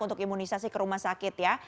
untuk imunisasi ke rumah sakit ya